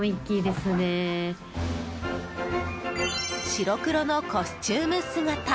白黒のコスチューム姿。